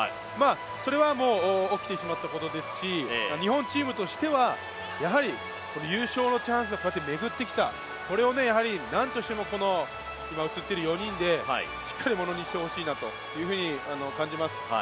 それはもう、起きてしまったことですし日本チームとしてはやはり、優勝のチャンスが巡ってきた、これをなんとしても今映っている４人でしっかり、ものにしてほしいなというふうに感じます。